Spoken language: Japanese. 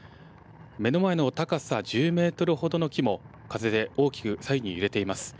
目の前の高さ１０メートルほどの木も、風で大きく左右に揺れています。